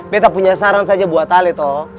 gue gak punya saran saja buat kamu